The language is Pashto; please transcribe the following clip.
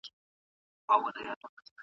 هغه د خپلو غاښونو په پاک ساتلو اخته دی.